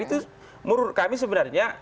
itu menurut kami sebenarnya